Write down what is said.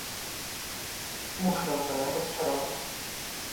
Muszę pana rozczarować